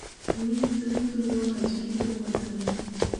Уи ззымдыруа аӡәгьы дыҟаӡам!